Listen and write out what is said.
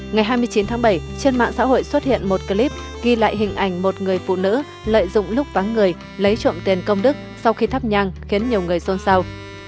ngày hai mươi chín tháng bảy trên mạng xã hội xuất hiện một clip ghi lại hình ảnh một người phụ nữ lợi dụng lúc vắng người lấy trộm tiền công đức sau khi thắp nhang khiến nhiều người xôn xao